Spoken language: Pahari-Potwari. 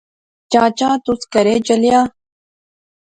چچا تس کہھرے چلیا؟